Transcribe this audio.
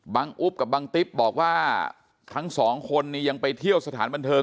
อุ๊บกับบังติ๊บบอกว่าทั้งสองคนนี้ยังไปเที่ยวสถานบันเทิง